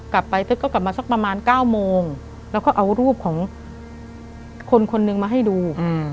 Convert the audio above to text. กลับไปตึกก็กลับมาสักประมาณ๙โมงแล้วก็เอารูปของคนคนหนึ่งมาให้ดู